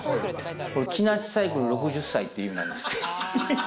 これキナシサイクル６０歳っていう意味なんです。